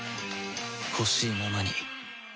ほしいままに